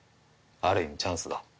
ある意味チャンスだ。